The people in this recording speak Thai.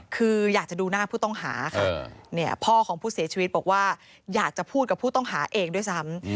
คืออยากจะดูหน้าผู้ต้องหาค่ะพ่อของผู้เสียชีวิตบอกว่าอยากจะพูดกับผู้ต้องหาเองด้วยซ้ำ